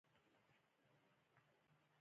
دوی د لوړو خوبونو او خيالونو خاوندان وو.